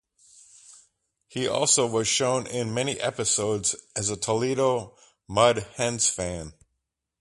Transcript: He also was shown in many episodes as a Toledo Mud Hens fan.